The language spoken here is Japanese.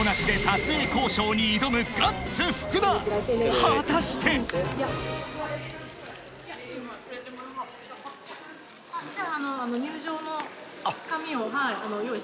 ［果たして］あっじゃあ。